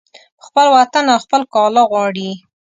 په خپل وطن او خپل کاله غواړي